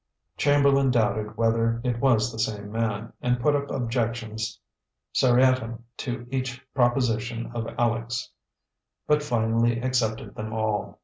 Chamberlain doubted whether it was the same man, and put up objections seriatim to each proposition of Aleck's, but finally accepted them all.